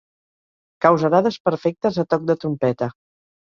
Causarà desperfectes a toc de trompeta.